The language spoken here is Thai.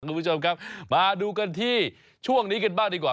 คุณผู้ชมครับมาดูกันที่ช่วงนี้กันบ้างดีกว่า